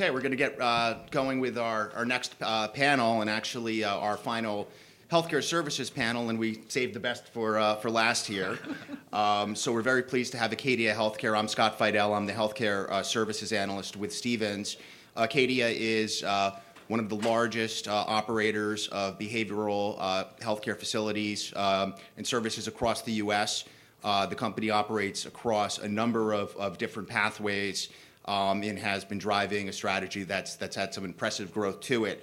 Okay, we're gonna get going with our next panel, and actually, our final Healthcare services panel, and we saved the best for last here. So we're very pleased to have Acadia Healthcare. I'm Scott Fidel. I'm the Healthcare Services Analyst with Stephens. Acadia is one of the largest operators of behavioral Healthcare facilities and services across the U.S. The company operates across a number of different pathways and has been driving a strategy that's had some impressive growth to it.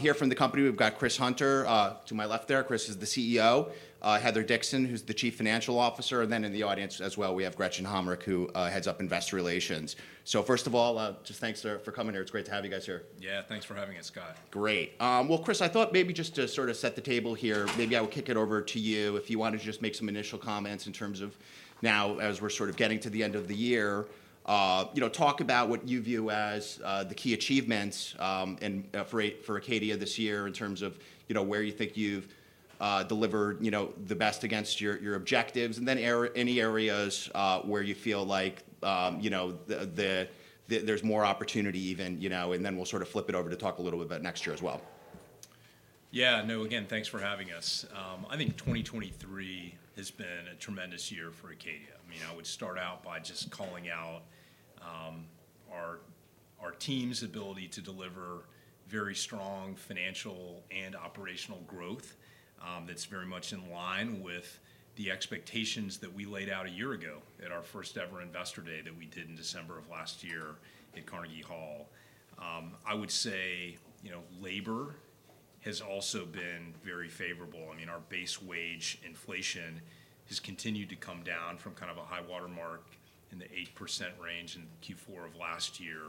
Here from the company, we've got Chris Hunter to my left there. Chris is the CEO. Heather Dixon, who's the Chief Financial Officer, and then in the audience as well, we have Gretchen Hommrich, who heads up investor relations. So first of all, just thanks there for coming here. It's great to have you guys here. Yeah, thanks for having us, Scott. Great. Well, Chris, I thought maybe just to sort of set the table here, maybe I will kick it over to you if you want to just make some initial comments in terms of now as we're sort of getting to the end of the year. You know, talk about what you view as the key achievements, and for Acadia this year in terms of, you know, where you think you've delivered, you know, the best against your objectives, and then any areas where you feel like, you know, there's more opportunity even, you know, and then we'll sort of flip it over to talk a little bit about next year as well. Yeah, no, again, thanks for having us. I think 2023 has been a tremendous year for Acadia. I mean, I would start out by just calling out our team's ability to deliver very strong financial and operational growth, that's very much in line with the expectations that we laid out a year ago at our first-ever Investor Day that we did in December of last year at Carnegie Hall. I would say, you know, labor has also been very favorable. I mean, our base wage inflation has continued to come down from kind of a high-water mark in the 8% range in Q4 of last year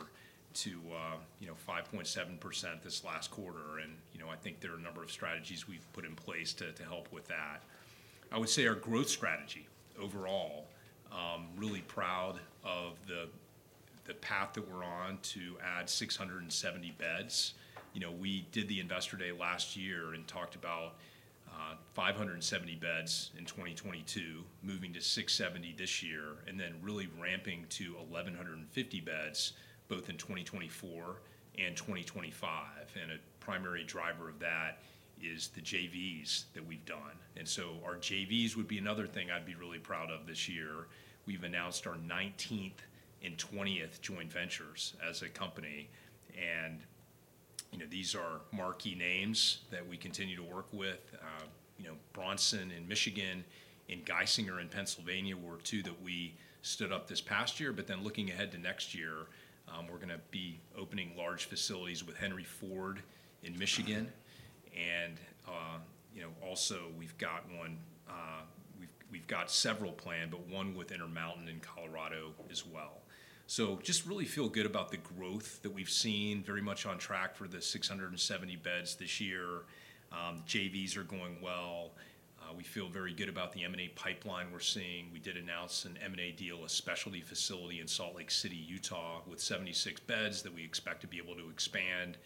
to, you know, 5.7% this last quarter, and, you know, I think there are a number of strategies we've put in place to help with that. I would say our growth strategy overall, really proud of the path that we're on to add 670 beds. You know, we did the Investor Day last year and talked about 570 beds in 2022, moving to 670 this year, and then really ramping to 1,150 beds both in 2024 and 2025. A primary driver of that is the JVs that we've done, and so our JVs would be another thing I'd be really proud of this year. We've announced our nineteenth and twentieth joint ventures as a company, and you know, these are marquee names that we continue to work with. You know, Bronson in Michigan and Geisinger in Pennsylvania were two that we stood up this past year, but then looking ahead to next year, we're gonna be opening large facilities with Henry Ford in Michigan, and, you know, also we've got one. We've got several planned, but one with Intermountain in Colorado as well. So just really feel good about the growth that we've seen. Very much on track for the 670 beds this year. JVs are going well. We feel very good about the M&A pipeline we're seeing. We did announce an M&A deal, a specialty facility in Salt Lake City, Utah, with 76 beds that we expect to be able to expand.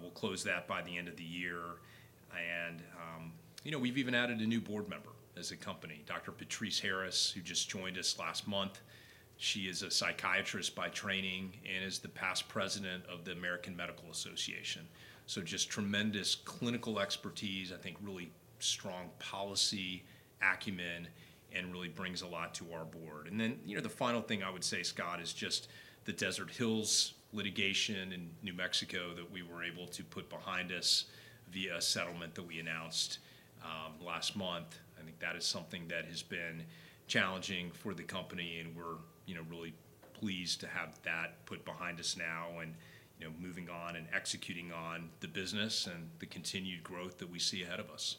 We'll close that by the end of the year. And, you know, we've even added a new board member as a company, Dr. Patrice Harris, who just joined us last month. She is a psychiatrist by training and is the past president of the American Medical Association. So just tremendous clinical expertise, I think really strong policy acumen, and really brings a lot to our board. And then, you know, the final thing I would say, Scott, is just the Desert Hills litigation in New Mexico that we were able to put behind us via a settlement that we announced last month. I think that is something that has been challenging for the company, and we're, you know, really pleased to have that put behind us now and, you know, moving on and executing on the business and the continued growth that we see ahead of us.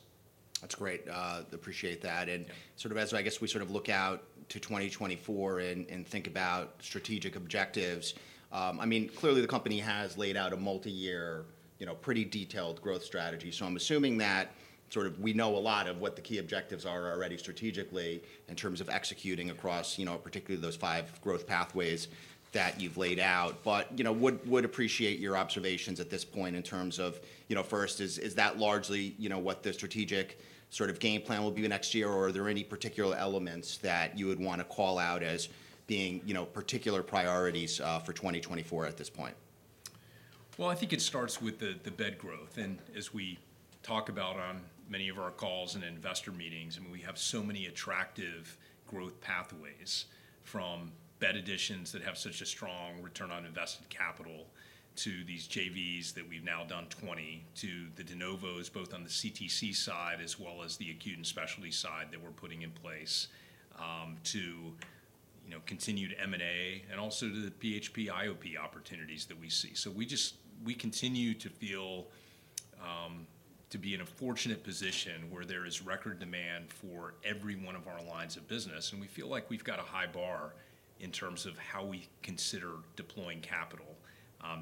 That's great. Appreciate that. Sort of as I guess we sort of look out to 2024 and think about strategic objectives, I mean, clearly the company has laid out a multiyear, you know, pretty detailed growth strategy. So I'm assuming that sort of we know a lot of what the key objectives are already strategically in terms of executing- Across, you know, particularly those five growth pathways that you've laid out. But, you know, would, would appreciate your observations at this point in terms of, you know, first, is, is that largely, you know, what the strategic sort of game plan will be next year, or are there any particular elements that you would want to call out as being, you know, particular priorities, for 2024 at this point? Well, I think it starts with the bed growth. As we talk about on many of our calls and investor meetings, I mean, we have so many attractive growth pathways, from bed additions that have such a strong return on invested capital, to these JVs that we've now done 20, to the de novos, both on the CTC side as well as the acute and specialty side that we're putting in place, you know, continued M&A, and also to the PHP IOP opportunities that we see. So, we just we continue to feel to be in a fortunate position where there is record demand for every one of our lines of business, and we feel like we've got a high bar in terms of how we consider deploying capital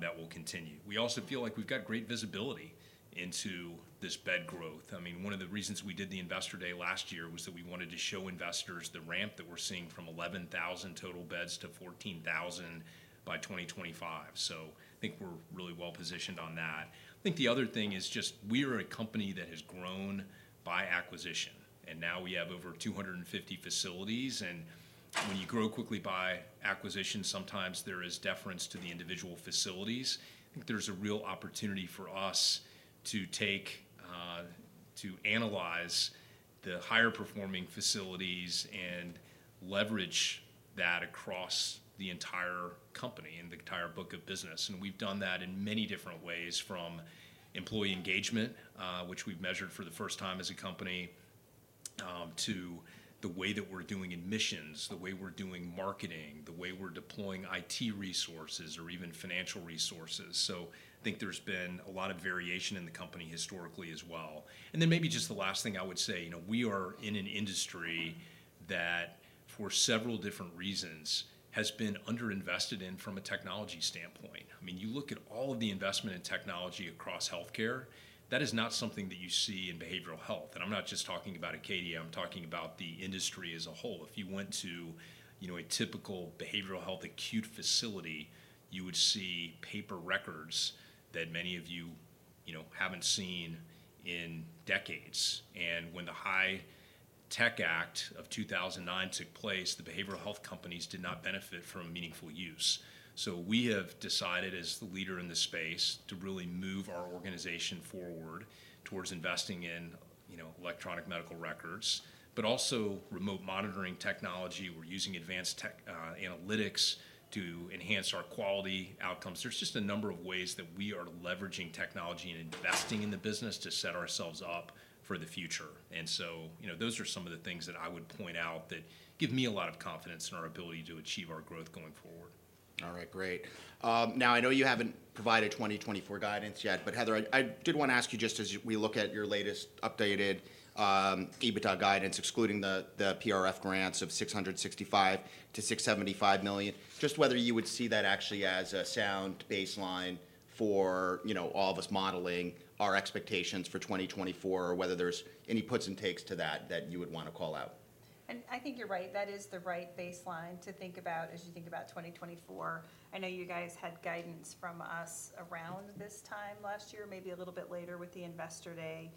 that will continue. We also feel like we've got great visibility into this bed growth. I mean, one of the reasons we did the Investor Day last year was that we wanted to show investors the ramp that we're seeing from 11,000 total beds to 14,000 by 2025. So I think really well-positioned on that. I think the other thing is just we are a company that has grown by acquisition, and now we have over 250 facilities. When you grow quickly by acquisition, sometimes there is deference to the individual facilities. I think there's a real opportunity for us to take to analyze the higher-performing facilities and leverage that across the entire company and the entire book of business. We've done that in many different ways, from employee engagement, which we've measured for the first time as a company, to the way that we're doing admissions, the way we're doing marketing, the way we're deploying IT resources or even financial resources. So I think there's been a lot of variation in the company historically as well. And then maybe just the last thing I would say, you know, we are in an industry that, for several different reasons, has been underinvested in from a technology standpoint. I mean, you look at all of the investment in technology across Healthcare, that is not something that you see in behavioral health. And I'm not just talking about Acadia, I'm talking about the industry as a whole. If you went to, you know, a typical behavioral health acute facility, you would see paper records that many of you, you know, haven't seen in decades. And when the HITECH Act of 2009 took place, the behavioral health companies did not benefit from meaningful use. So we have decided, as the leader in this space, to really move our organization forward towards investing in, you know, electronic medical records, but also remote monitoring technology. We're using advanced tech-- analytics to enhance our quality outcomes. There's just a number of ways that we are leveraging technology and investing in the business to set ourselves up for the future. And so, you know, those are some of the things that I would point out that give me a lot of confidence in our ability to achieve our growth going forward. All right, great. Now, I know you haven't provided 2024 guidance yet, but Heather, I did want to ask you, just as we look at your latest updated EBITDA guidance, excluding the PRF grants of $665 million-$675 million, just whether you would see that actually as a sound baseline for, you know, all of us modeling our expectations for 2024, or whether there's any puts and takes to that, that you would want to call out? I think you're right. That is the right baseline to think about as you think about 2024. I know you guys had guidance from us around this time last year, maybe a little bit later with the Investor Day.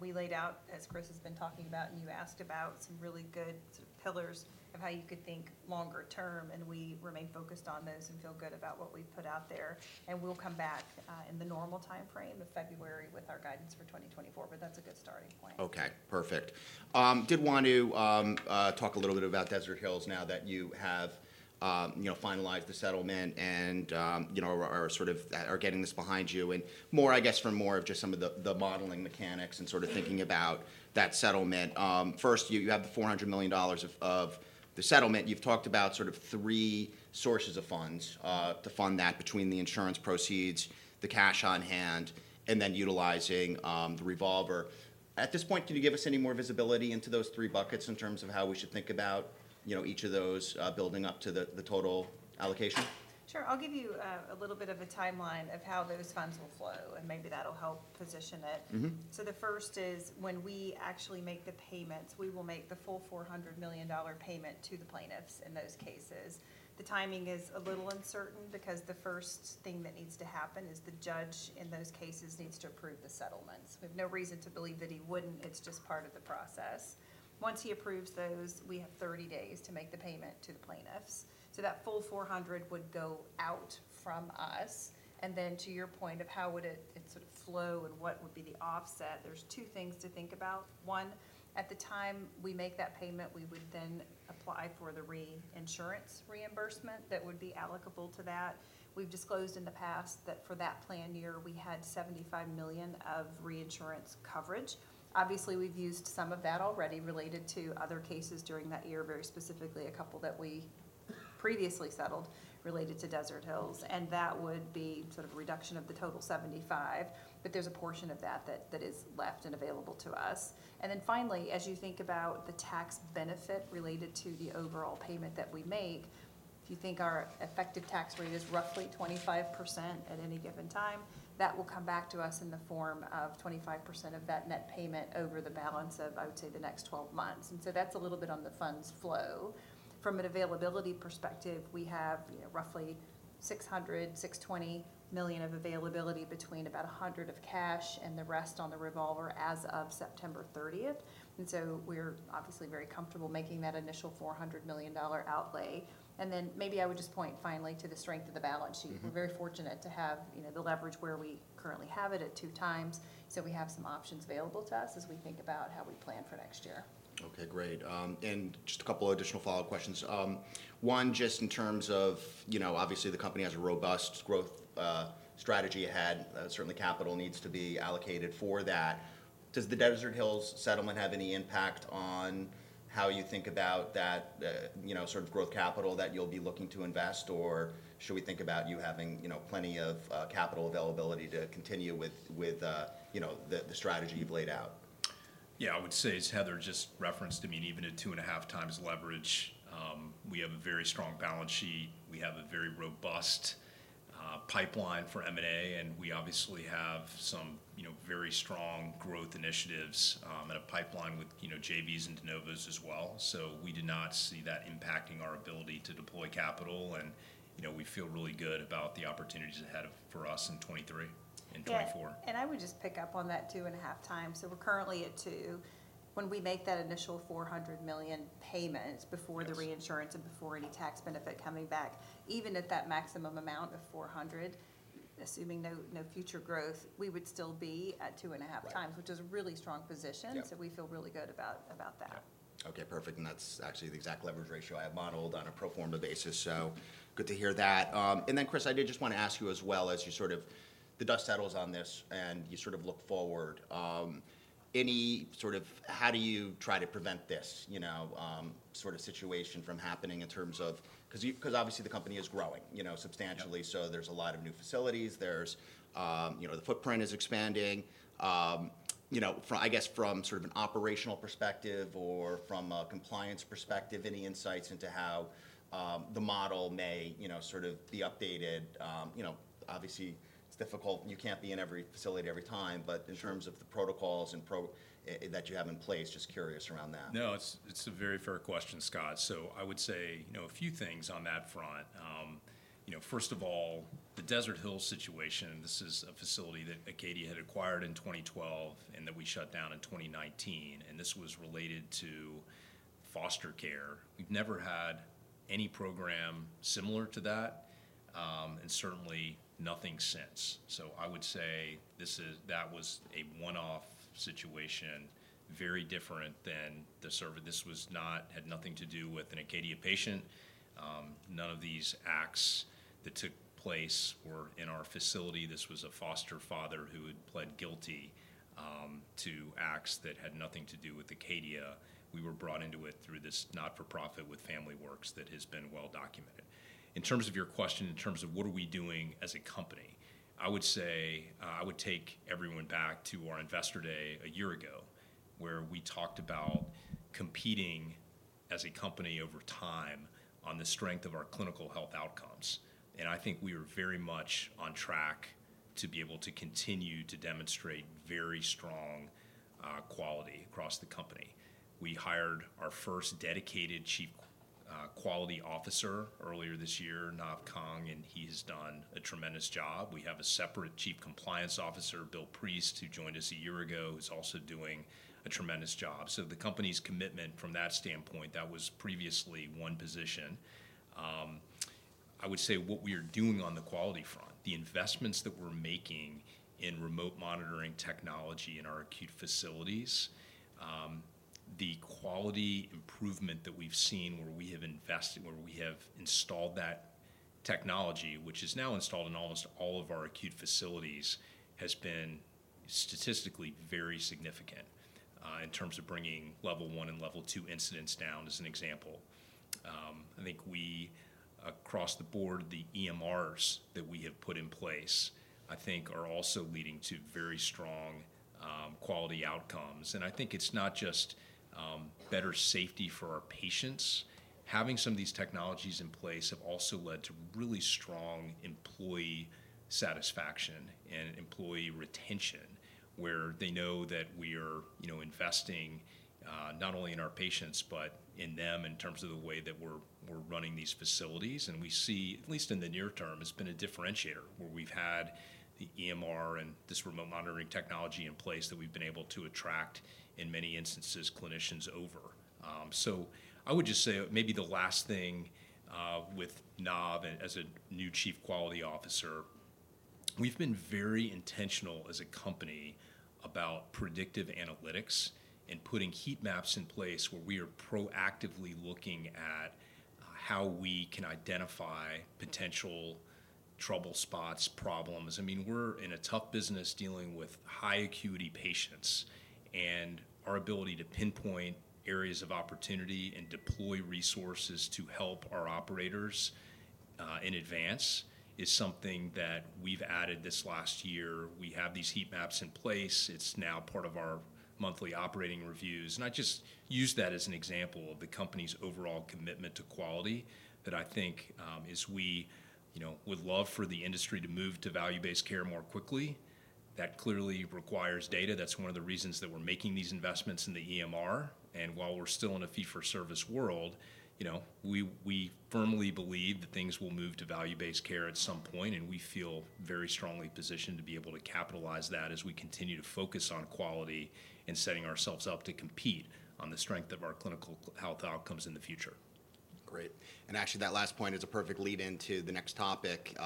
We laid out, as Chris has been talking about, and you asked about, some really good sort of pillars of how you could think longer term, and we remain focused on those and feel good about what we've put out there. We'll come back, in the normal timeframe of February with our guidance for 2024, but that's a good starting point. Okay, perfect. Did want to talk a little bit about Desert Hills now that you have, you know, finalized the settlement and, you know, are sort of getting this behind you. And more, I guess, for more of just some of the modeling mechanics and sort of thinking about that settlement. First, you have the $400 million of the settlement. You've talked about sort of three sources of funds to fund that between the insurance proceeds, the cash on hand, and then utilizing the revolver. At this point, can you give us any more visibility into those three buckets in terms of how we should think about, you know, each of those building up to the total allocation? Sure. I'll give you a little bit of a timeline of how those funds will flow, and maybe that'll help position it. Mm-hmm. So the first is, when we actually make the payments, we will make the full $400 million payment to the plaintiffs in those cases. The timing is a little uncertain because the first thing that needs to happen is the judge in those cases needs to approve the settlements. We have no reason to believe that he wouldn't; it's just part of the process. Once he approves those, we have 30 days to make the payment to the plaintiffs. So that full $400 million would go out from us, and then to your point of how would it, it sort of flow and what would be the offset, there's two things to think about. One, at the time we make that payment, we would then apply for the reinsurance reimbursement that would be allocable to that. We've disclosed in the past that for that plan year, we had $75 million of reinsurance coverage. Obviously, we've used some of that already related to other cases during that year, very specifically, a couple that we previously settled related to Desert Hills, and that would be sort of a reduction of the total 75. But there's a portion of that that is left and available to us. And then finally, as you think about the tax benefit related to the overall payment that we make, if you think our effective tax rate is roughly 25% at any given time, that will come back to us in the form of 25% of that net payment over the balance of, I would say, the next 12 months. And so that's a little bit on the funds flow. From an availability perspective, we have, you know, roughly $620 million of availability between about $100 of cash and the rest on the revolver as of September 30. And so we're obviously very comfortable making that initial $400 million outlay. And then maybe I would just point finally to the strength of the balance sheet. Mm-hmm. We're very fortunate to have, you know, the leverage where we currently have it at 2x, so we have some options available to us as we think about how we plan for next year. Okay, great. And just a couple of additional follow-up questions. One, just in terms of, you know, obviously, the company has a robust growth strategy ahead. Certainly, capital needs to be allocated for that. Does the Desert Hills settlement have any impact on how you think about that, you know, sort of growth capital that you'll be looking to invest, or should we think about you having, you know, plenty of capital availability to continue with the strategy you've laid out? Yeah, I would say, as Heather just referenced, I mean, even at 2.5x leverage, we have a very strong balance sheet. We have a very robust pipeline for M&A, and we obviously have some, you know, very strong growth initiatives, and a pipeline with, you know, JVs and de novas as well. So we do not see that impacting our ability to deploy capital, and, you know, we feel really good about the opportunities for us in 2023 and 2024. Yeah, and I would just pick up on that 2.5x. So we're currently at 2. When we make that initial $400 million payment before- The reinsurance and before any tax benefit coming back, even at that maximum amount of $400, assuming no future growth, we would still be at 2.5x Right Which is a really strong position. Yeah. We feel really good about that. Yeah. Okay, perfect, and that's actually the exact leverage ratio I have modeled on a pro forma basis, so good to hear that. And then, Chris, I did just wanna ask you as well, as you sort of, the dust settles on this, and you sort of look forward, any sort of, how do you try to prevent this, you know, sort of situation from happening in terms of... 'Cause obviously the company is growing, you know, substantially- Yeah So there's a lot of new facilities. There's, you know, the footprint is expanding. You know, from, I guess, from sort of an operational perspective or from a compliance perspective, any insights into how the model may, you know, sort of be updated? You know, obviously it's difficult. You can't be in every facility every time, but- In terms of the protocols and that you have in place, just curious around that. No, it's a very fair question, Scott. So I would say, you know, a few things on that front. You know, first of all, the Desert Hills situation, this is a facility that Acadia had acquired in 2012, and then we shut down in 2019, and this was related to foster care. We've never had any program similar to that, and certainly nothing since. So I would say this is that was a one-off situation, very different than the sort of. This was not had nothing to do with an Acadia patient. None of these acts that took place were in our facility. This was a foster father who had pled guilty to acts that had nothing to do with Acadia. We were brought into it through this not-for-profit with Family Works that has been well documented. In terms of your question, in terms of what are we doing as a company, I would say, I would take everyone back to our Investor Day a year ago, where we talked about competing as a company over time on the strength of our clinical health outcomes, and I think we are very much on track to be able to continue to demonstrate very strong quality across the company. We hired our first dedicated Chief Quality Officer earlier this year, Nav Kang, and he has done a tremendous job. We have a separate Chief Compliance Officer, Bill Priest, who joined us a year ago, who's also doing a tremendous job. So the company's commitment from that standpoint, that was previously one position. I would say what we are doing on the quality front, the investments that we're making in remote monitoring technology in our acute facilities, the quality improvement that we've seen where we have invested, where we have installed that technology, which is now installed in almost all of our acute facilities, has been statistically very significant, in terms of bringing level one and level two incidents down, as an example. I think we, across the board, the EMRs that we have put in place, I think are also leading to very strong, quality outcomes. And I think it's not just, better safety for our patients. Having some of these technologies in place have also led to really strong employee satisfaction and employee retention, where they know that we are, you know, investing, not only in our patients but in them in terms of the way that we're running these facilities. And we see, at least in the near term, it's been a differentiator, where we've had the EMR and this remote monitoring technology in place that we've been able to attract, in many instances, clinicians over. So I would just say maybe the last thing, with Nav as a new Chief Quality Officer, we've been very intentional as a company about predictive analytics and putting heat maps in place where we are proactively looking at how we can identify potential trouble spots, problems. I mean, we're in a tough business dealing with high-acuity patients, and our ability to pinpoint areas of opportunity and deploy resources to help our operators in advance is something that we've added this last year. We have these heat maps in place. It's now part of our monthly operating reviews. And I just use that as an example of the company's overall commitment to quality that I think, as we... You know, would love for the industry to move to value-based care more quickly. That clearly requires data. That's one of the reasons that we're making these investments in the EMR, and while we're still in a fee-for-service world, you know, we, we firmly believe that things will move to value-based care at some point. We feel very strongly positioned to be able to capitalize that as we continue to focus on quality and setting ourselves up to compete on the strength of our clinical health outcomes in the future. Great. Actually, that last point is a perfect lead-in to the next topic,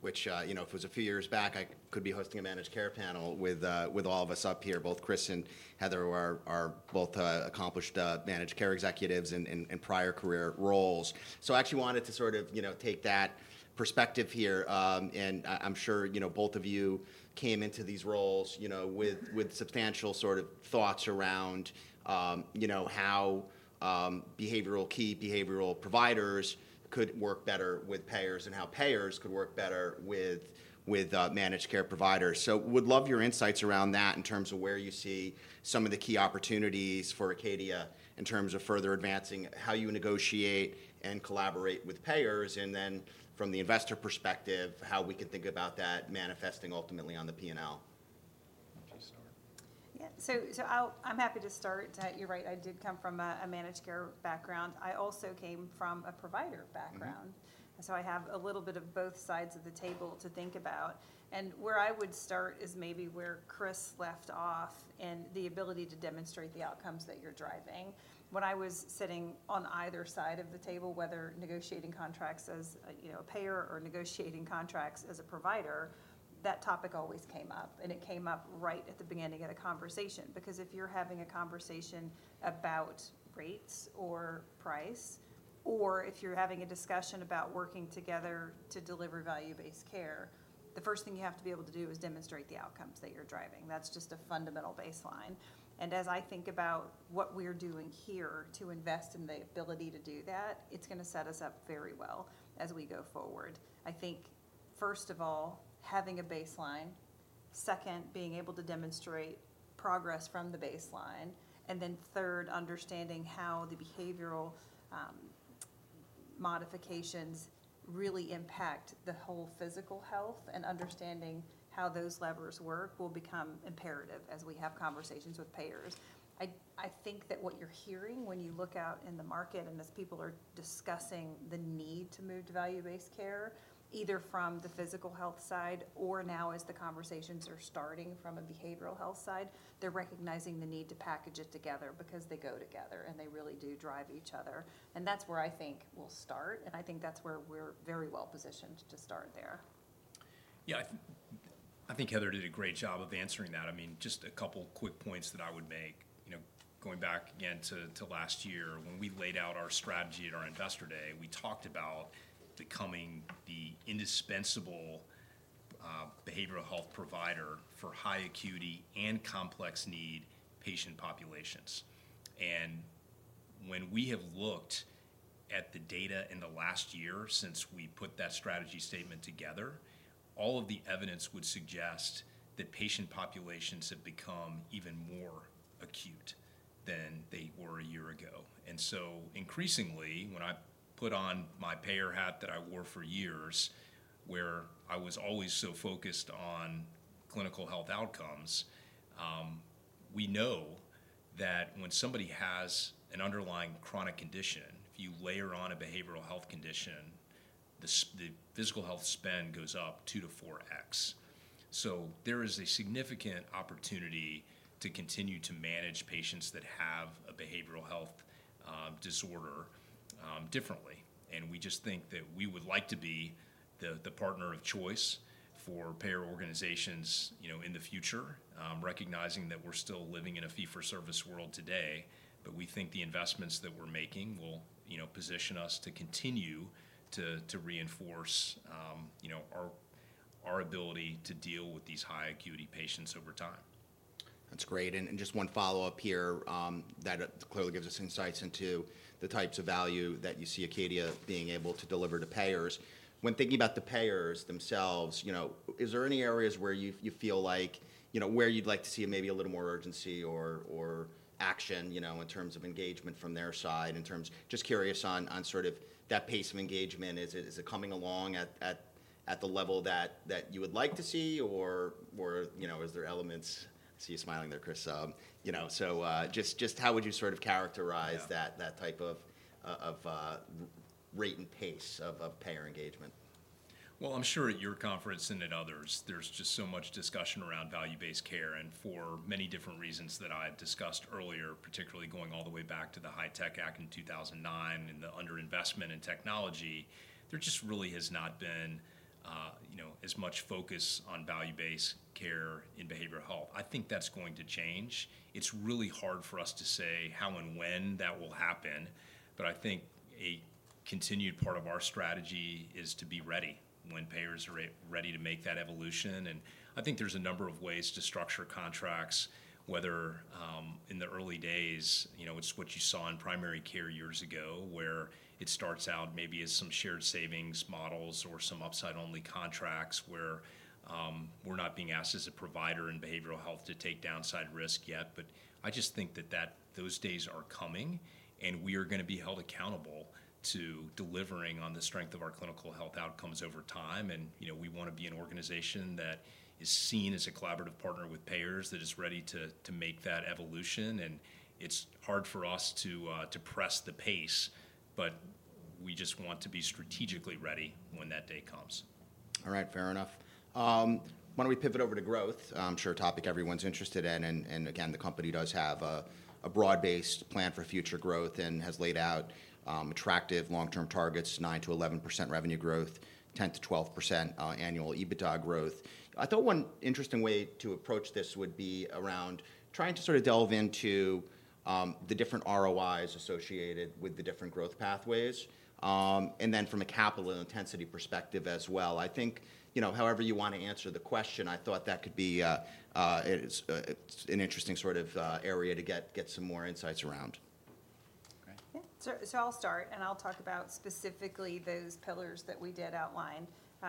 which, you know, if it was a few years back, I could be hosting a managed care panel with all of us up here. Both Chris and Heather are both accomplished managed care executives in prior career roles. So I actually wanted to sort of, you know, take that perspective here. And I, I'm sure, you know, both of you came into these roles, you know, with substantial sort of thoughts around, you know, how behavioral key behavioral providers could work better with payers and how payers could work better with managed care providers. Would love your insights around that in terms of where you see some of the key opportunities for Acadia in terms of further advancing how you negotiate and collaborate with payers, and then from the investor perspective, how we can think about that manifesting ultimately on the P&L. Why don't you start? Yeah. So, I'll. I'm happy to start. You're right, I did come from a managed care background. I also came from a provider background. I have a little bit of both sides of the table to think about. Where I would start is maybe where Chris left off, and the ability to demonstrate the outcomes that you're driving. When I was sitting on either side of the table, whether negotiating contracts as, you know, a payer or negotiating contracts as a provider, that topic always came up, and it came up right at the beginning of the conversation. Because if you're having a conversation about rates or price, or if you're having a discussion about working together to deliver value-based care, the first thing you have to be able to do is demonstrate the outcomes that you're driving. That's just a fundamental baseline. As I think about what we're doing here to invest in the ability to do that, it's gonna set us up very well as we go forward. I think, first of all, having a baseline, second, being able to demonstrate progress from the baseline, and then third, understanding how the behavioral modifications really impact the whole physical health, and understanding how those levers work will become imperative as we have conversations with payers. I, I think that what you're hearing when you look out in the market, and as people are discussing the need to move to value-based care, either from the physical health side or now as the conversations are starting from a behavioral health side, they're recognizing the need to package it together because they go together, and they really do drive each other. And that's where I think we'll start, and I think that's where we're very well positioned to start there. Yeah, I think Heather did a great job of answering that. I mean, just a couple quick points that I would make. You know, going back again to last year, when we laid out our strategy at our Investor Day, we talked about becoming the indispensable behavioral health provider for high acuity and complex need patient populations. And when we have looked at the data in the last year since we put that strategy statement together, all of the evidence would suggest that patient populations have become even more acute than they were a year ago. And so increasingly, when I put on my payer hat that I wore for years, where I was always so focused on clinical health outcomes, we know that when somebody has an underlying chronic condition, if you layer on a behavioral health condition, the physical health spend goes up 2x-4x. So there is a significant opportunity to continue to manage patients that have a behavioral health disorder differently. And we just think that we would like to be the partner of choice for payer organizations, you know, in the future, recognizing that we're still living in a fee-for-service world today. But we think the investments that we're making will, you know, position us to continue to reinforce our ability to deal with these high acuity patients over time. That's great, and just one follow-up here, that clearly gives us insights into the types of value that you see Acadia being able to deliver to payers. When thinking about the payers themselves, you know, is there any areas where you feel like, you know, where you'd like to see maybe a little more urgency or action, you know, in terms of engagement from their side, in terms. Just curious on, sort of that pace of engagement. Is it coming along at the level that you would like to see, or, you know, is there elements. I see you smiling there, Chris, you know, so just how would you sort of characterize that type of rate and pace of payer engagement? Well, I'm sure at your conference and at others, there's just so much discussion around value-based care, and for many different reasons that I had discussed earlier, particularly going all the way back to the HITECH Act in 2009 and the underinvestment in technology, there just really has not been, you know, as much focus on value-based care in behavioral health. I think that's going to change. It's really hard for us to say how and when that will happen, but I think a continued part of our strategy is to be ready when payers are ready to make that evolution. I think there's a number of ways to structure contracts, whether in the early days, you know, it's what you saw in primary care years ago, where it starts out maybe as some shared savings models or some upside-only contracts, where we're not being asked as a provider in behavioral health to take downside risk yet. But I just think that those days are coming, and we are gonna be held accountable to delivering on the strength of our clinical health outcomes over time. And, you know, we wanna be an organization that is seen as a collaborative partner with payers, that is ready to make that evolution. And it's hard for us to press the pace, but we just want to be strategically ready when that day comes. All right. Fair enough. Why don't we pivot over to growth? I'm sure a topic everyone's interested in, and again, the company does have a broad-based plan for future growth and has laid out attractive long-term targets, 9% to 11% revenue growth, 10% to 12% annual EBITDA growth. I thought one interesting way to approach this would be around trying to sort of delve into the different ROIs associated with the different growth pathways, and then from a capital intensity perspective as well. I think, you know, however you want to answer the question, I thought that could be, it's an interesting sort of area to get some more insights around. So, I'll start, and I'll talk about specifically those pillars that we did outline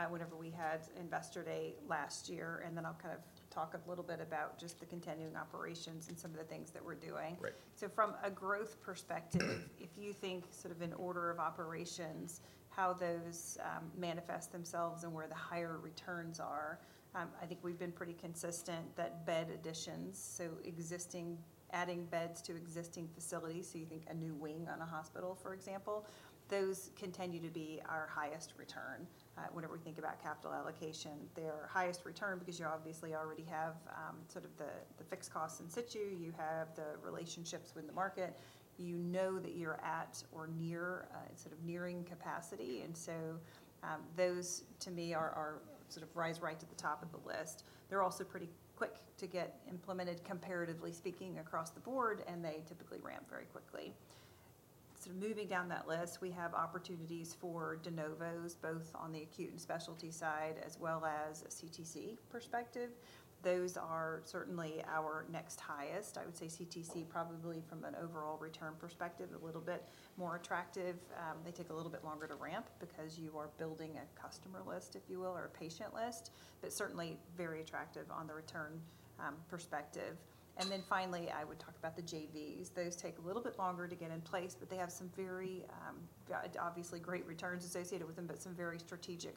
whenever we had Investor Day last year, and then I'll kind of talk a little bit about just the continuing operations and some of the things that we're doing. Right. So from a growth perspective, if you think sort of in order of operations, how those manifest themselves and where the higher returns are, I think we've been pretty consistent that bed additions, so existing, adding beds to existing facilities, so you think a new wing on a hospital, for example, those continue to be our highest return. Whenever we think about capital allocation, they're our highest return because you obviously already have sort of the fixed costs in situ, you have the relationships with the market, you know that you're at or near sort of nearing capacity. And so, those, to me, are sort of rise right to the top of the list. They're also pretty quick to get implemented, comparatively speaking, across the board, and they typically ramp very quickly. So moving down that list, we have opportunities for de novos, both on the acute and specialty side, as well as a CTC perspective. Those are certainly our next highest. I would say CTC probably from an overall return perspective, a little bit more attractive. They take a little bit longer to ramp because you are building a customer list, if you will, or a patient list, but certainly very attractive on the return perspective. And then finally, I would talk about the JVs. Those take a little bit longer to get in place, but they have some very obviously great returns associated with them, but some very strategic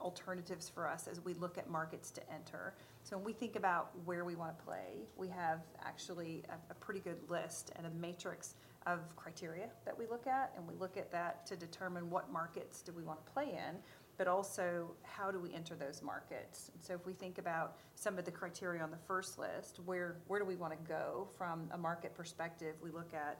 alternatives for us as we look at markets to enter. So when we think about where we want to play, we have actually a pretty good list and a matrix of criteria that we look at, and we look at that to determine what markets do we want to play in, but also how do we enter those markets? So if we think about some of the criteria on the first list, where do we want to go from a market perspective? We look at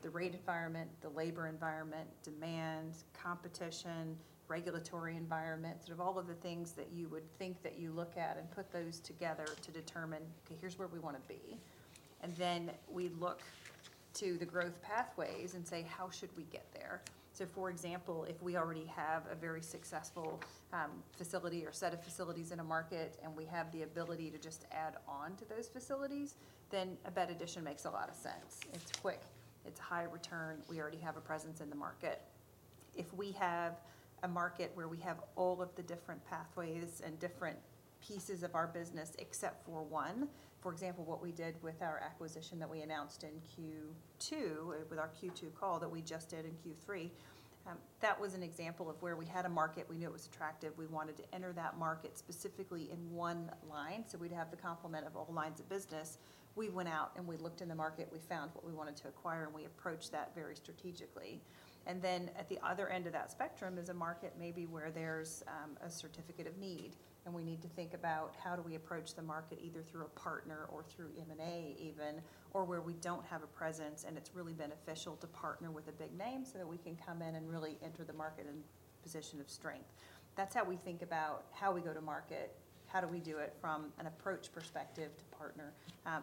the rate environment, the labor environment, demand, competition, regulatory environment, sort of all of the things that you would think that you look at and put those together to determine, "Okay, here's where we want to be." And then we look to the growth pathways and say: How should we get there? So, for example, if we already have a very successful facility or set of facilities in a market, and we have the ability to just add on to those facilities, then a bed addition makes a lot of sense. It's quick, it's high return, we already have a presence in the market. If we have a market where we have all of the different pathways and different pieces of our business, except for one... For example, what we did with our acquisition that we announced in Q2 with our Q2 call that we just did in Q3, that was an example of where we had a market, we knew it was attractive. We wanted to enter that market specifically in one line, so we'd have the complement of all lines of business. We went out and we looked in the market, we found what we wanted to acquire, and we approached that very strategically. And then, at the other end of that spectrum is a market maybe where there's a certificate of need, and we need to think about how do we approach the market, either through a partner or through M&A even, or where we don't have a presence, and it's really beneficial to partner with a big name so that we can come in and really enter the market in a position of strength. That's how we think about how we go to market, how do we do it from an approach perspective to partner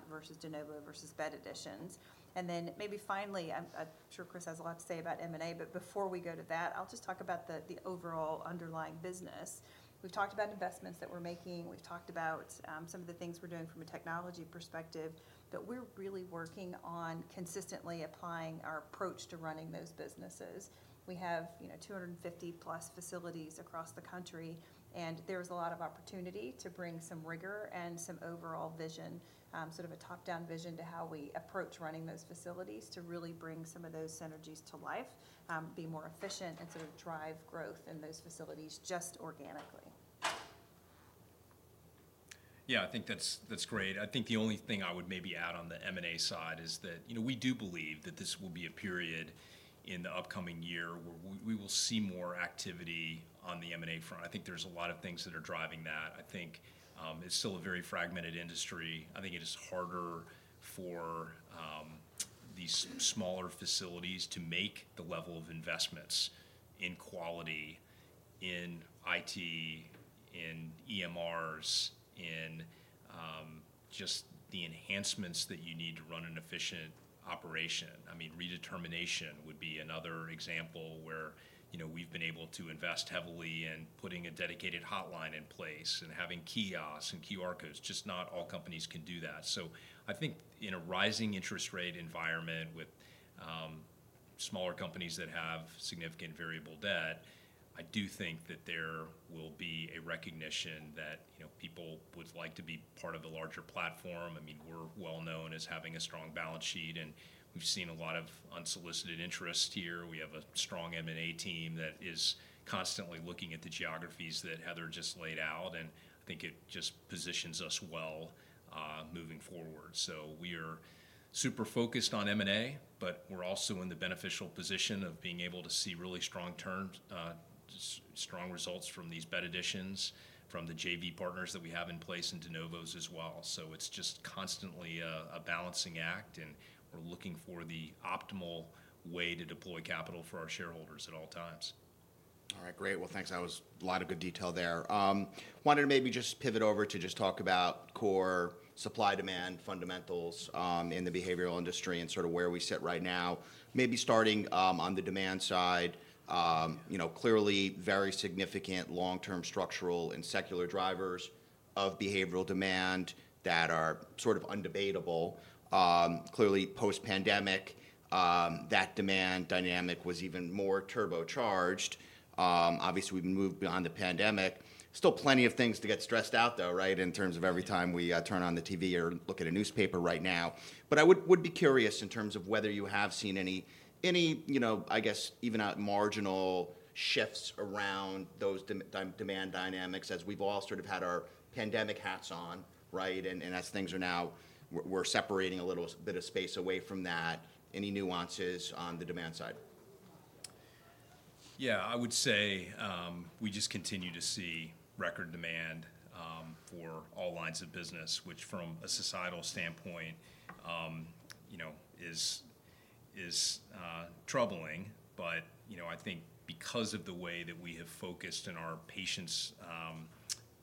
versus de novo versus bed additions. And then maybe finally, I'm sure Chris has a lot to say about M&A, but before we go to that, I'll just talk about the overall underlying business. We've talked about investments that we're making, we've talked about some of the things we're doing from a technology perspective, but we're really working on consistently applying our approach to running those businesses. We have, you know, 250+ facilities across the country, and there's a lot of opportunity to bring some rigor and some overall vision, sort of a top-down vision to how we approach running those facilities, to really bring some of those synergies to life, be more efficient, and sort of drive growth in those facilities just organically. Yeah, I think that's great. I think the only thing I would maybe add on the M&A side is that, you know, we do believe that this will be a period in the upcoming year where we will see more activity on the M&A front. I think there's a lot of things that are driving that. I think it's still a very fragmented industry. I think it is harder for these smaller facilities to make the level of investments in quality, in IT, in EMRs, in just the enhancements that you need to run an efficient operation. I mean, redetermination would be another example where, you know, we've been able to invest heavily in putting a dedicated hotline in place and having kiosks and QR codes. Just not all companies can do that. So I think in a rising interest rate environment with smaller companies that have significant variable debt, I do think that there will be a recognition that, you know, people would like to be part of a larger platform. I mean, we're well known as having a strong balance sheet, and we've seen a lot of unsolicited interest here. We have a strong M&A team that is constantly looking at the geographies that Heather just laid out, and I think it just positions us well moving forward. So we're super focused on M&A, but we're also in the beneficial position of being able to see really strong terms strong results from these bed additions, from the JV partners that we have in place, and De Novos as well. So it's just constantly a balancing act, and we're looking for the optimal way to deploy capital for our shareholders at all times. All right, great. Well, thanks. That was a lot of good detail there. Wanted to maybe just pivot over to just talk about core supply-demand fundamentals in the behavioral industry and sort of where we sit right now. Maybe starting on the demand side, you know, clearly, very significant long-term structural and secular drivers of behavioral demand that are sort of undebatable. Clearly, post-pandemic, that demand dynamic was even more turbocharged. Obviously, we've moved beyond the pandemic. Still plenty of things to get stressed out though, right? In terms of every time we turn on the TV or look at a newspaper right now. But I would be curious in terms of whether you have seen any, you know, I guess, even at marginal shifts around those demand dynamics as we've all sort of had our pandemic hats on, right? And as things are now, we're separating a little bit of space away from that. Any nuances on the demand side? Yeah, I would say, we just continue to see record demand for all lines of business, which from a societal standpoint, you know, is troubling. But, you know, I think because of the way that we have focused on our patients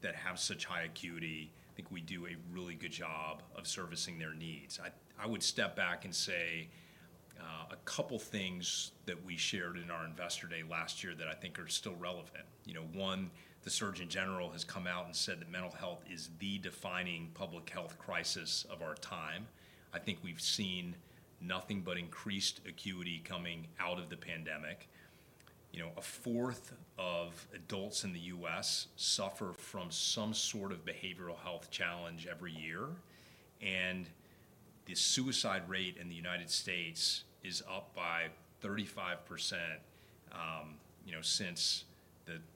that have such high acuity, I think we do a really good job of servicing their needs. I would step back and say a couple things that we shared in our Investor Day last year that I think are still relevant. You know, one, the Surgeon General has come out and said that mental health is the defining public health crisis of our time. I think we've seen nothing but increased acuity coming out of the pandemic. You know, a fourth of adults in the U.S. suffer from some sort of behavioral health challenge every year, and the suicide rate in the United States is up by 35%, you know, since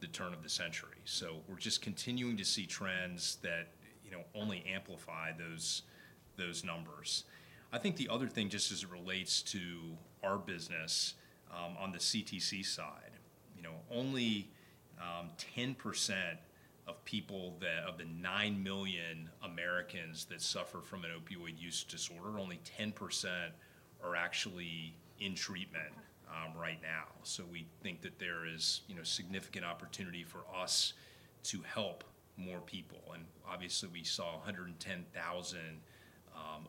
the turn of the century. So we're just continuing to see trends that, you know, only amplify those numbers. I think the other thing, just as it relates to our business, on the CTC side, you know, only 10% of people of the 9 million Americans that suffer from an opioid use disorder, only 10% are actually in treatment, right now. So we think that there is, you know, significant opportunity for us to help more people. And obviously, we saw 110,000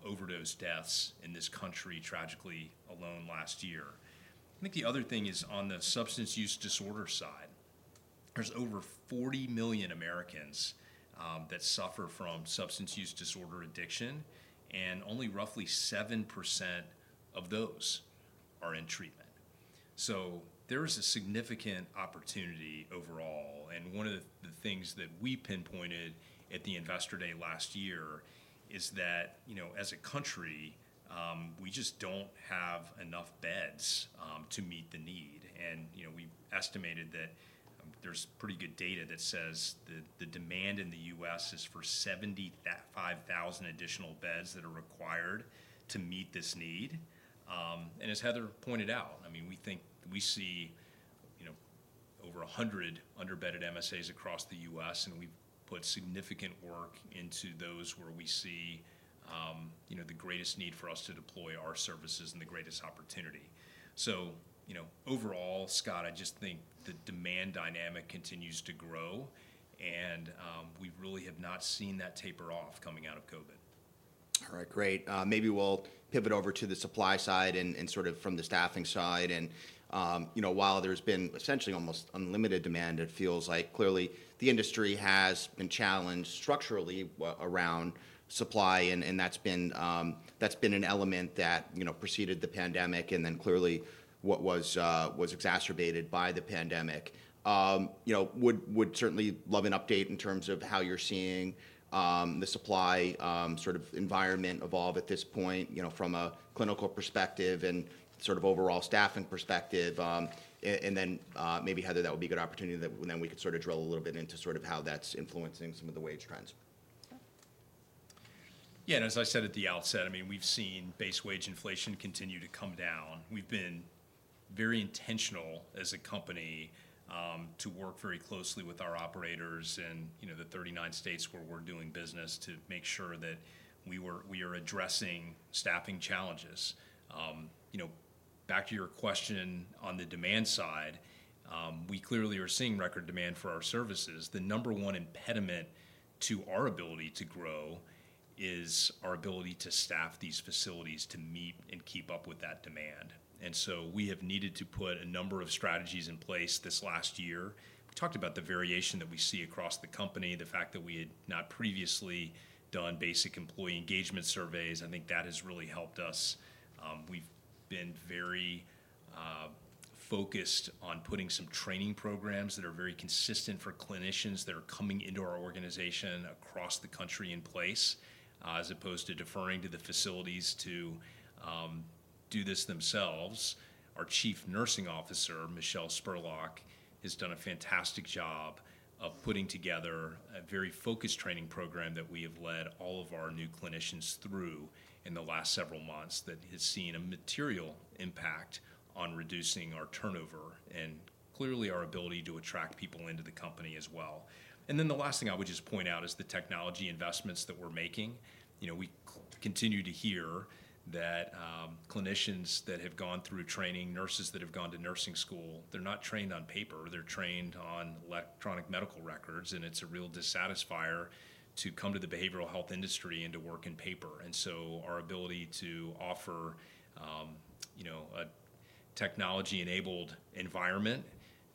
overdose deaths in this country tragically alone last year. I think the other thing is on the substance use disorder side. There's over 40 million Americans that suffer from substance use disorder addiction, and only roughly 7% of those are in treatment. So there is a significant opportunity overall, and one of the things that we pinpointed at the Investor Day last year is that, you know, as a country, we just don't have enough beds to meet the need. And, you know, we estimated that, there's pretty good data that says the demand in the US is for 75,000 additional beds that are required to meet this need. As Heather pointed out, I mean, we think we see, you know, over 100 under-bedded MSAs across the U.S., and we've put significant work into those where we see, you know, the greatest need for us to deploy our services and the greatest opportunity. So, you know, overall, Scott, I just think the demand dynamic continues to grow, and we really have not seen that taper off coming out of COVID. All right, great. Maybe we'll pivot over to the supply side and sort of from the staffing side. And, you know, while there's been essentially almost unlimited demand, it feels like clearly the industry has been challenged structurally around supply, and that's been an element that, you know, preceded the pandemic and then clearly what was exacerbated by the pandemic. You know, would certainly love an update in terms of how you're seeing the supply sort of environment evolve at this point, you know, from a clinical perspective and sort of overall staffing perspective. And then, maybe, Heather, that would be a good opportunity, that then we could sort of drill a little bit into sort of how that's influencing some of the wage trends. Yeah, and as I said at the outset, I mean, we've seen base wage inflation continue to come down. We've been very intentional as a company to work very closely with our operators in, you know, the 39 states where we're doing business, to make sure that we were- we are addressing staffing challenges. You know, back to your question on the demand side, we clearly are seeing record demand for our services. The number one impediment to our ability to grow is our ability to staff these facilities to meet and keep up with that demand. And so we have needed to put a number of strategies in place this last year. We talked about the variation that we see across the company, the fact that we had not previously done basic employee engagement surveys, I think that has really helped us. We've been very focused on putting some training programs that are very consistent for clinicians that are coming into our organization across the country in place, as opposed to deferring to the facilities to do this themselves. Our Chief Nursing Officer, Michelle Spurlock, has done a fantastic job of putting together a very focused training program that we have led all of our new clinicians through in the last several months, that has seen a material impact on reducing our turnover and clearly our ability to attract people into the company as well. And then the last thing I would just point out is the technology investments that we're making. You know, we continue to hear that clinicians that have gone through training, nurses that have gone to nursing school, they're not trained on paper, they're trained on electronic medical records, and it's a real dissatisfier to come to the behavioral health industry and to work in paper. And so our ability to offer, you know, a technology-enabled environment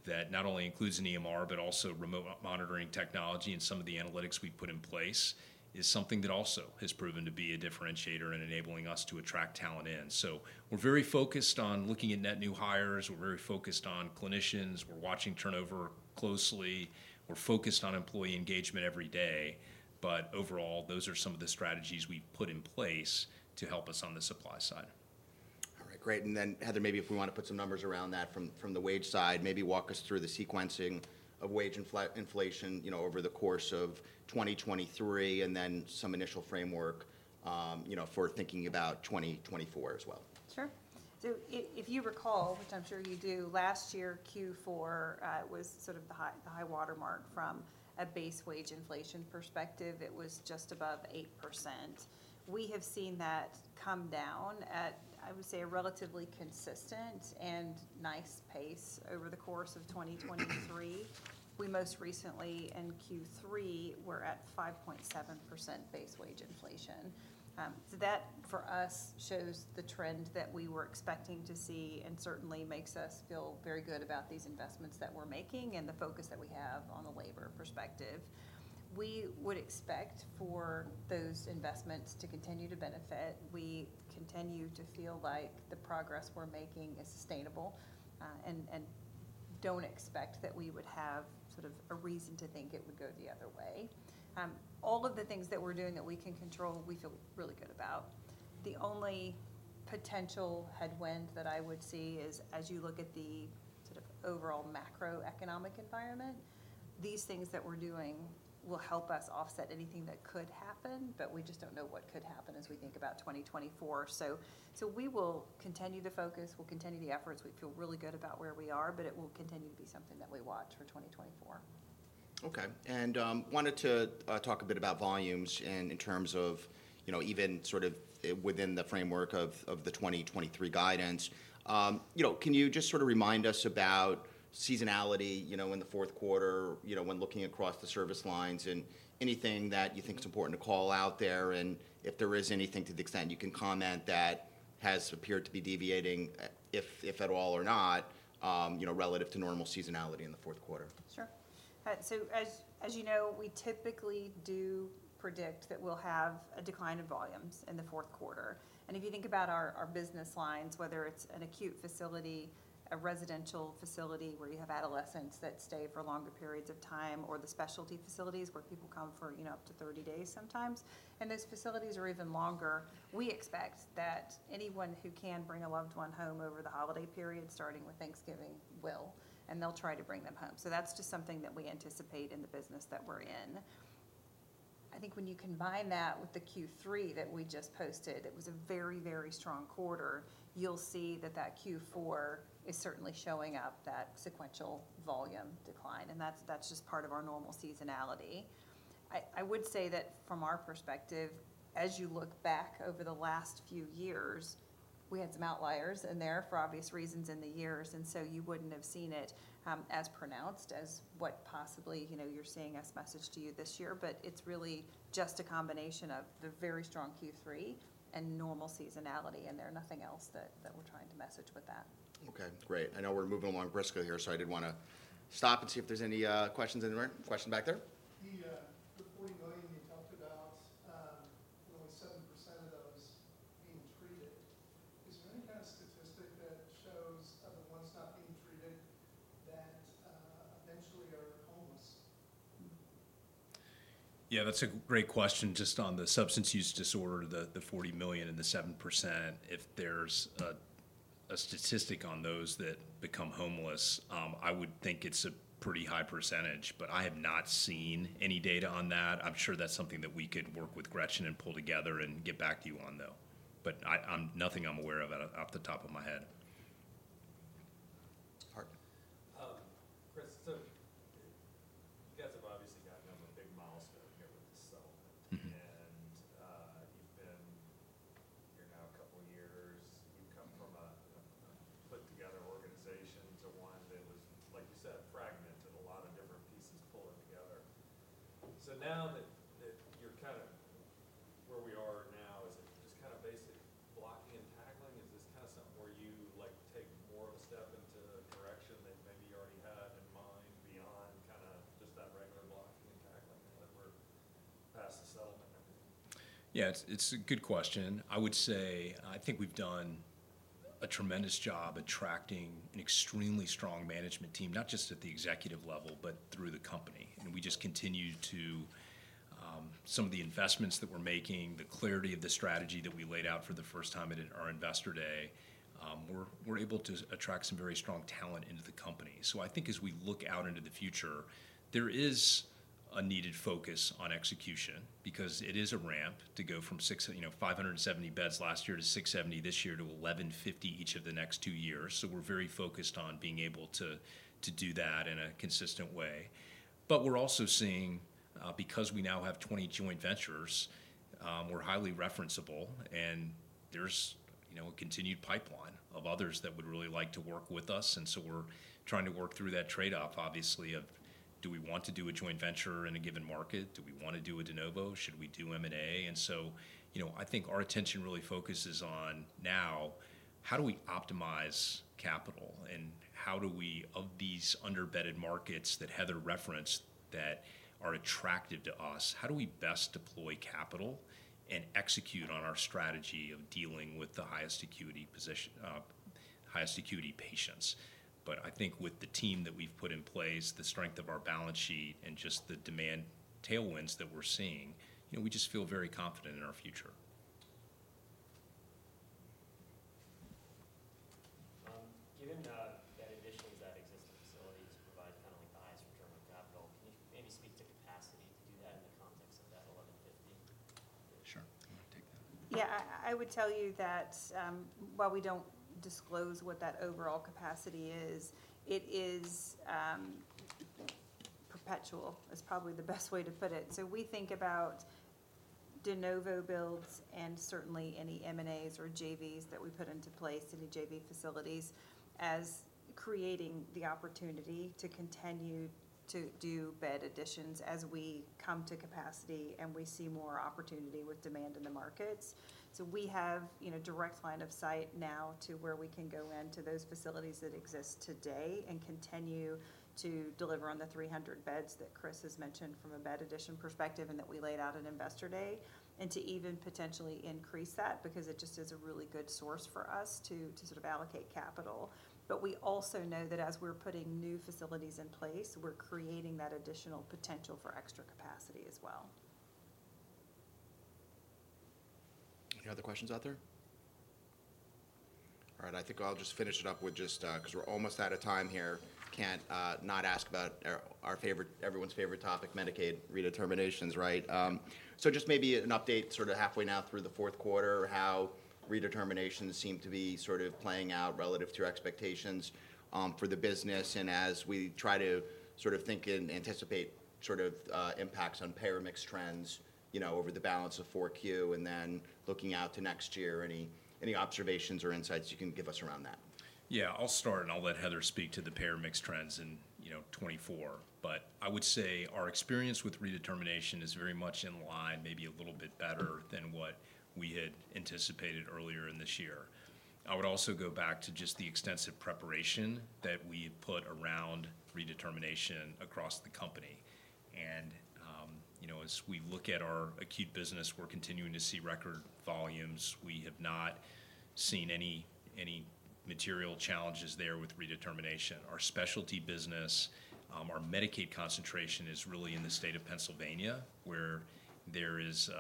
that not only includes an EMR, but also remote monitoring technology and some of the analytics we've put in place, is something that also has proven to be a differentiator in enabling us to attract talent in. So we're very focused on looking at net new hires. We're very focused on clinicians. We're watching turnover closely. We're focused on employee engagement every day, but overall, those are some of the strategies we've put in place to help us on the supply side. All right, great. And then, Heather, maybe if we wanna put some numbers around that from the wage side, maybe walk us through the sequencing of wage inflation, you know, over the course of 2023, and then some initial framework, you know, for thinking about 2024 as well. Sure. So if you recall, which I'm sure you do, last year, Q4, was sort of the high, the high water mark from a base wage inflation perspective. It was just above 8%. We have seen that come down at, I would say, a relatively consistent and nice pace over the course of 2023. We most recently, in Q3, were at 5.7% base wage inflation. So that, for us, shows the trend that we were expecting to see and certainly makes us feel very good about these investments that we're making and the focus that we have on the labor perspective. We would expect for those investments to continue to benefit. We continue to feel like the progress we're making is sustainable, and don't expect that we would have sort of a reason to think it would go the other way. All of the things that we're doing that we can control, we feel really good about. The only potential headwind that I would see is, as you look at the sort of overall macroeconomic environment, these things that we're doing will help us offset anything that could happen, but we just don't know what could happen as we think about 2024. So we will continue to focus, we'll continue the efforts. We feel really good about where we are, but it will continue to be something that we watch for 2024. Okay, and wanted to talk a bit about volumes in terms of, you know, even sort of within the framework of the 2023 guidance. You know, can you just sort of remind us about seasonality, you know, in the fourth quarter, you know, when looking across the service lines, and anything that you think is important to call out there, and if there is anything, to the extent you can comment, that has appeared to be deviating, if at all or not, you know, relative to normal seasonality in the fourth quarter? Sure. So as you know, we typically do predict that we'll have a decline in volumes in the fourth quarter. If you think about our business lines, whether it's an acute facility, a residential facility, where you have adolescents that stay for longer periods of time, or the specialty facilities, where people come for, you know, up to 30 days sometimes, and those facilities are even longer, we expect that anyone who can bring a loved one home over the holiday period, starting with Thanksgiving, will, and they'll try to bring them home. So that's just something that we anticipate in the business that we're in. I think when you combine that with the Q3 that we just posted, it was a very, very strong quarter. You'll see that that Q4 is certainly showing up, that sequential volume decline, and that's, that's just part of our normal seasonality. I would say that from our perspective, as you look back over the last few years, we had some outliers in there for obvious reasons in the years, and so you wouldn't have seen it as pronounced as what possibly, you know, you're seeing us message to you this year. But it's really just a combination of the very strong Q3 and normal seasonality in there, nothing else that, that we're trying to message with that. Okay, great. I know we're moving along briskly here, so I did wanna stop and see if there's any questions in the room. A question back there? The 40 million you talked about, only 7% of those being treated, is there any kind of statistic that shows of the ones not being treated that eventually are homeless? Yeah, that's a great question. Just on the substance use disorder, the 40 million and the 7%, if there's a statistic on those that become homeless, I would think it's a pretty high percentage, but I have not seen any data on that. I'm sure that's something that we could work with Gretchen and pull together and get back to you on, though. But nothing I'm aware of off the top of my head. a needed focus on execution because it is a ramp to go from six-- you know, 570 beds last year, to 670 this year, to 1,150 each of the next two years. So we're very focused on being able to, to do that in a consistent way. But we're also seeing-... Because we now have 20 joint ventures, we're highly referenceable, and there's, you know, a continued pipeline of others that would really like to work with us. And so we're trying to work through that trade-off, obviously, of do we want to do a joint venture in a given market? Do we want to do a de novo? Should we do M&A? And so, you know, I think our attention really focuses on, now, how do we optimize capital, and how do we, of these under-bedded markets that Heather referenced that are attractive to us, how do we best deploy capital and execute on our strategy of dealing with the highest acuity position, highest acuity patients? I think with the team that we've put in place, the strength of our balance sheet, and just the demand tailwinds that we're seeing, you know, we just feel very confident in our future. Given that additions at existing facilities provide kind of like highs for return on capital, can you maybe speak to capacity to do that in the context of that 1,150? Sure. You want to take that? Yeah, I would tell you that while we don't disclose what that overall capacity is, it is perpetual, is probably the best way to put it. So we think about de novo builds and certainly any M&As or JVs that we put into place, any JV facilities, as creating the opportunity to continue to do bed additions as we come to capacity and we see more opportunity with demand in the markets. So we have, you know, direct line of sight now to where we can go into those facilities that exist today and continue to deliver on the 300 beds that Chris has mentioned from a bed addition perspective and that we laid out at Investor Day, and to even potentially increase that because it just is a really good source for us to sort of allocate capital. But we also know that as we're putting new facilities in place, we're creating that additional potential for extra capacity as well. Any other questions out there? All right, I think I'll just finish it up with just, because we're almost out of time here. Can't not ask about our, our everyone's favorite topic, Medicaid redeterminations, right? So just maybe an update sort of halfway now through the fourth quarter, how redeterminations seem to be sort of playing out relative to your expectations, for the business, and as we try to sort of think and anticipate sort of, impacts on payer mix trends, you know, over the balance of 4Q, and then looking out to next year, any, any observations or insights you can give us around that? Yeah, I'll start, and I'll let Heather speak to the payer mix trends in, you know, 2024. But I would say our experience with redetermination is very much in line, maybe a little bit better than what we had anticipated earlier in this year. I would also go back to just the extensive preparation that we put around redetermination across the company. And, you know, as we look at our acute business, we're continuing to see record volumes. We have not seen any material challenges there with redetermination. Our specialty business, our Medicaid concentration is really in the state of Pennsylvania, where there is,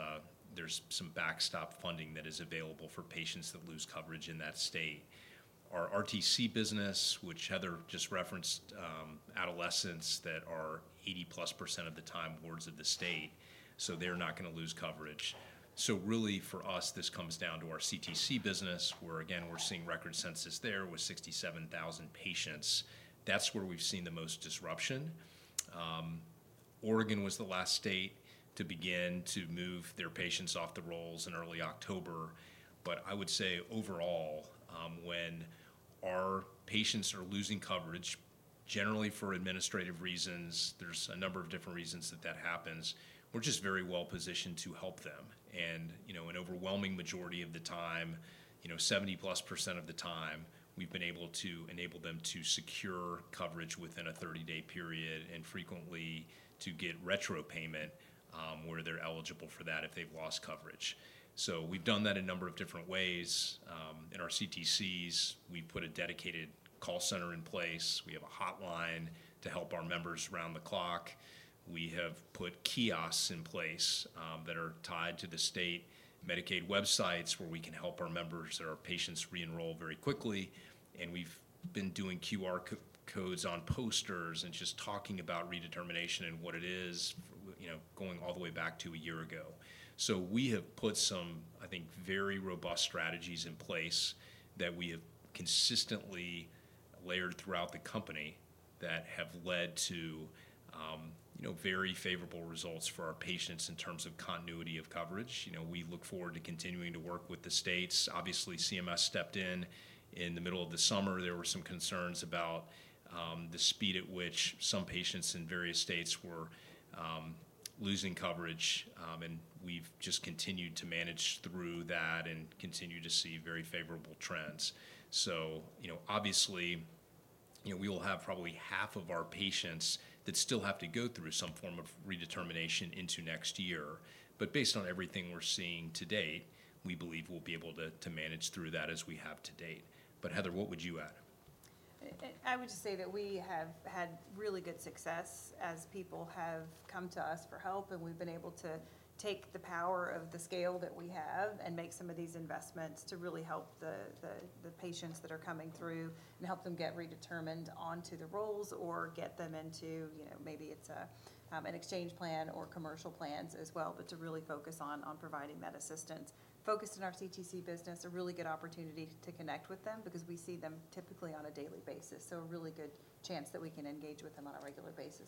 there's some backstop funding that is available for patients that lose coverage in that state. Our RTC business, which Heather just referenced, adolescents that are 80%+ of the time wards of the state, so they're not going to lose coverage. So really, for us, this comes down to our CTC business, where, again, we're seeing record census there with 67,000 patients. That's where we've seen the most disruption. Oregon was the last state to begin to move their patients off the rolls in early October. But I would say overall, when our patients are losing coverage, generally for administrative reasons, there's a number of different reasons that that happens, we're just very well positioned to help them. And, you know, an overwhelming majority of the time, you know, 70%+ of the time, we've been able to enable them to secure coverage within a 30-day period and frequently to get retro payment, where they're eligible for that if they've lost coverage. So we've done that a number of different ways. In our CTCs, we put a dedicated call center in place. We have a hotline to help our members around the clock. We have put kiosks in place that are tied to the state Medicaid websites, where we can help our members or our patients re-enroll very quickly. We've been doing QR codes on posters and just talking about redetermination and what it is, you know, going all the way back to a year ago. We have put some, I think, very robust strategies in place that we have consistently layered throughout the company that have led to, you know, very favorable results for our patients in terms of continuity of coverage. You know, we look forward to continuing to work with the states. Obviously, CMS stepped in. In the middle of the summer, there were some concerns about the speed at which some patients in various states were losing coverage, and we've just continued to manage through that and continue to see very favorable trends. So, you know, obviously, you know, we will have probably half of our patients that still have to go through some form of redetermination into next year. But based on everything we're seeing to date, we believe we'll be able to manage through that as we have to date. But, Heather, what would you add? I would just say that we have had really good success as people have come to us for help, and we've been able to take the power of the scale that we have and make some of these investments to really help the patients that are coming through and help them get redetermined onto the rolls or get them into, you know, maybe it's an exchange plan or commercial plans as well, but to really focus on providing that assistance. Focused in our CTC business, a really good opportunity to connect with them because we see them typically on a daily basis, so a really good chance that we can engage with them on a regular basis.